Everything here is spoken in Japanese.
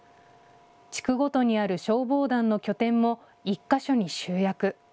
地区ごとにある消防団の拠点も１か所に集約。